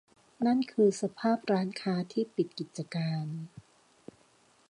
นั่นคือสภาพร้านค้าที่ปิดกิจการ